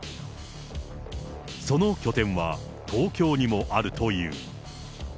その拠点は東京にもあるという。